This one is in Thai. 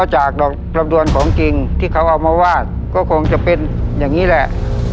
จากดอกลำดวนของจริงที่เขาเอามาวาดก็คงจะเป็นอย่างนี้แหละ